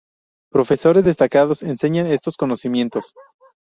Profesores destacados enseñan estos conocimientos.